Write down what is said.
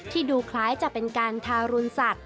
ดูคล้ายจะเป็นการทารุณสัตว